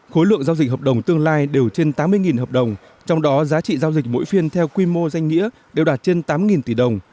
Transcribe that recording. khối lượng giao dịch hợp đồng tương lai đều trên tám mươi hợp đồng trong đó giá trị giao dịch mỗi phiên theo quy mô danh nghĩa đều đạt trên tám tỷ đồng